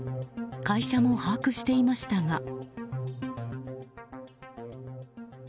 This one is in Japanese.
会社も把握していましたが。